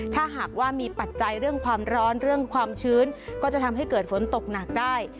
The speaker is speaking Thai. ถ้าหากว่ามีปัจจัยเรื่องความร้อนเรื่องความชื้นก็จะทำให้เกิดฝนตกหนักได้